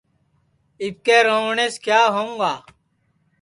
اِٻکے رووَٹؔینٚس کِیا ہوؤں گا